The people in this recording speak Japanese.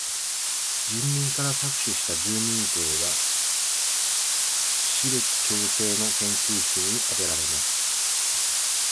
人民から搾取した住民税は歯列矯正の研究費にあてられます。